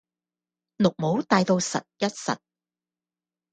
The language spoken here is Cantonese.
綠帽戴到實一實